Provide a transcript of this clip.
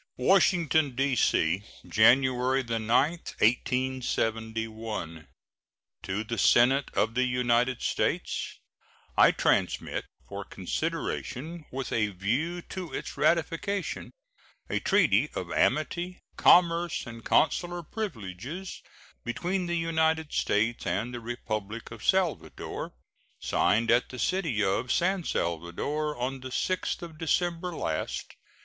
] WASHINGTON, D.C., January 9, 1871. To the Senate of the United States: I transmit, for consideration with a view to its ratification, a treaty of amity, commerce, and consular privileges between the United States and the Republic of Salvador, signed at the city of San Salvador on the 6th of December last.